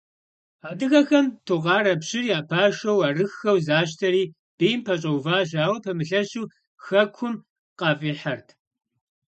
Адыгэхэм Тукъарэ пщыр я пашэу арыххэу защтэри, бийм пэщӏэуващ, ауэ пэмылъэщу хэкум къафӏихьэрт.